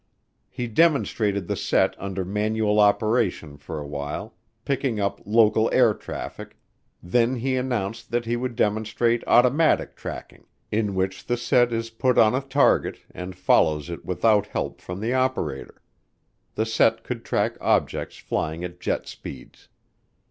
He demonstrated the set under manual operation for a while, picking up local air traffic, then he announced that he would demonstrate automatic tracking, in which the set is put on a target and follows it without help from the operator. The set could track objects flying at jet speeds.